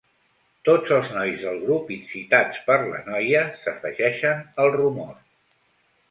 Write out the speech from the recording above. Tots els nois del grup, incitats per la noia, s'afegeixen al rumor.